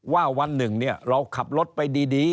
วันหนึ่งเราขับรถไปดี